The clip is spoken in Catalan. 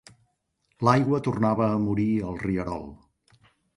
L'aigua tornava a morir al rierol.